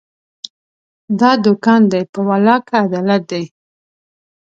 دا دوکان دی، په والله که عدالت دی